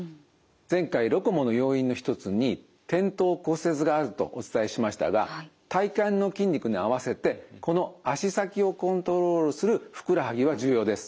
前回ロコモの要因の一つに転倒骨折があるとお伝えしましたが体幹の筋肉に合わせてこの足先をコントロールするふくらはぎは重要です。